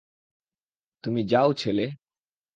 তুমি যাও, ছেলে।